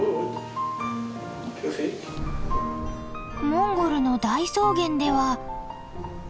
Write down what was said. モンゴルの大草原では。